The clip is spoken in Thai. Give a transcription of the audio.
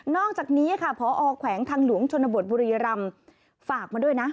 อกจากนี้ค่ะพอแขวงทางหลวงชนบทบุรีรำฝากมาด้วยนะ